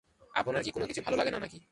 আপনার কি কোনো কিছুই ভালো লাগে না নাকি?